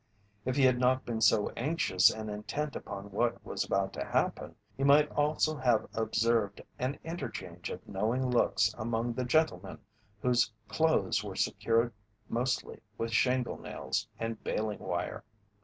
If he had not been so anxious and intent upon what was about to happen, he might also have observed an interchange of knowing looks among the gentlemen whose clothes were secured mostly with shingle nails and baling wire.